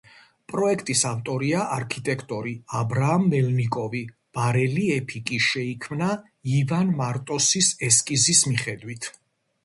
პროექტის ავტორია არქიტექტორი აბრაამ მელნიკოვი, ბარელიეფი კი შეიქმნა ივან მარტოსის ესკიზის მიხედვით.